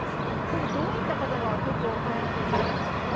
これ、どういった方がよくお買い上げになるんですか？